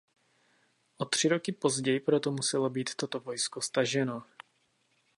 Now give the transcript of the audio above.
O tři roky později proto muselo být toto vojsko staženo.